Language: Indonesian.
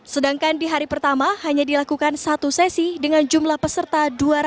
sedangkan di hari pertama hanya dilakukan satu sesi dengan jumlah peserta dua ratus